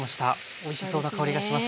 おいしそうな香りがします。